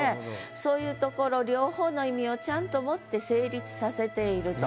そういうところ両方の意味をちゃんと持って成立させていると。